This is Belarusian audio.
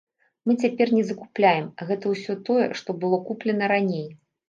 Мы цяпер не закупляем, гэта ўсё тое, што было куплена раней.